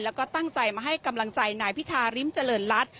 แล้วก็ตั้งใจมาให้กำลังใจนายพิธาริมเจริญรัฐ